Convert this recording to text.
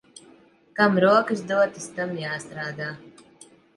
Kam rokas dotas, tam jāstrādā.